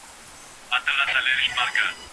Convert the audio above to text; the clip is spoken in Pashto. دې قصاب ته له یوه سره حیران وه